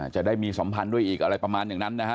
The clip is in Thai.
จะได้มีสัมพันธ์ด้วยอีกอะไรประมาณอย่างนั้นนะฮะ